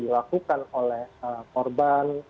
dilakukan oleh korban